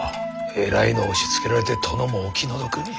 えらいのを押しつけられて殿もお気の毒に。